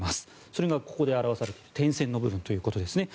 それがここで表されている点線の部分ということです。